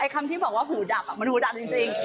คำที่บอกว่าหูดับมันหูดับจริง